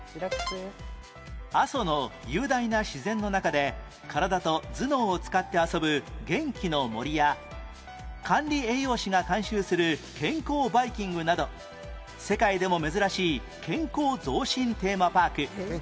阿蘇の雄大な自然の中で体と頭脳を使って遊ぶ元気の森や管理栄養士が監修する健康バイキングなど世界でも珍しい健康増進テーマパーク